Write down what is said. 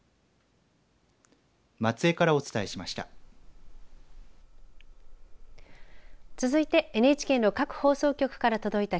松江からお伝えしました。